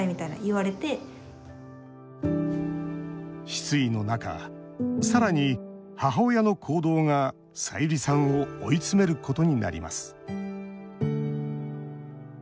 失意の中、さらに母親の行動がさゆりさんを追い詰めることになります。